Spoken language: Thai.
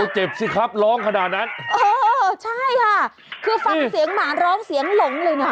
เจ็บสิครับร้องขนาดนั้นเออใช่ค่ะคือฟังเสียงหมาร้องเสียงหลงเลยนะ